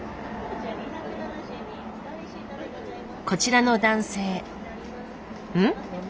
こちらの男性ん？